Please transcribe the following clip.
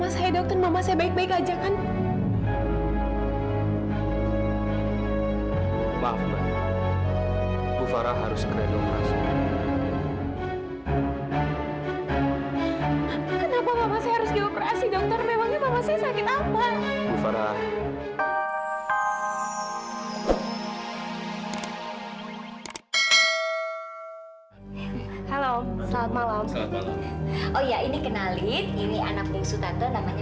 sampai jumpa di video selanjutnya